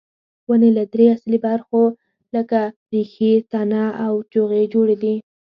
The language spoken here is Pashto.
ونې له درې اصلي برخو لکه ریښې، تنه او جوغې جوړې دي.